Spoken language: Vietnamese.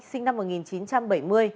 sinh năm một nghìn chín trăm bảy mươi